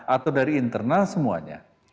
atau dari internal semuanya